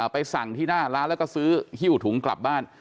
ไปสั่งที่หน้าร้านแล้วก็ซื้อหิ้วถุงกลับบ้าน